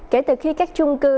kể từ khi các chung cư